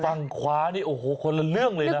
ฝั่งขวานี่โอ้โหคนละเรื่องเลยนะ